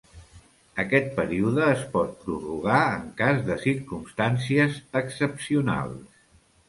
Aquest període es pot prorrogar en cas de circumstàncies excepcionals.